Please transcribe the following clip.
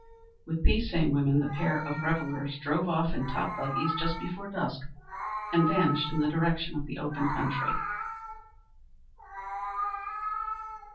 With these same women the pair of revellers drove off in top buggies just before dusk, and vanished in the direction of the open country.